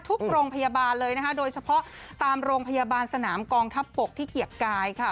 ทุกโรงพยาบาลเลยนะคะโดยเฉพาะตามโรงพยาบาลสนามกองทัพบกที่เกียรติกายค่ะ